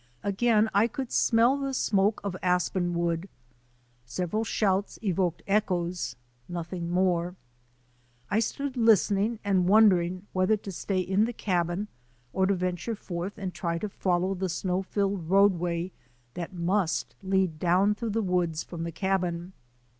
Again I could smell the smoke of aspen wood. Several shouts evoked echoes — nothing more. I stood listening and wondering whether to stay in the cabin or to venture forth and try to follow the snow filled roadway that must lead down through the woods from the cabin.